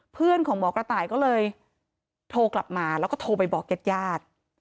เพื่อนของหมอกระต่ายก็เลยโทรกลับมาแล้วก็โทรไปบอกญาติญาติ